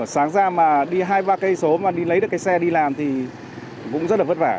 sáng ra mà đi hai ba cây số mà đi lấy được cái xe đi làm thì cũng rất là vất vả